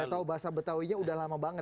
saya tahu bahasa betawinya udah lama banget